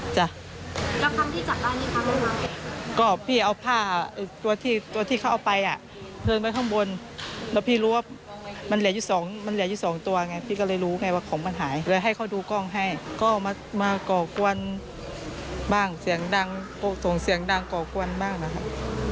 จะฝ่ายเกาะกัวนบ้างเสียงดังตรวงเสียงดังก่อกวนบ้างนะครับ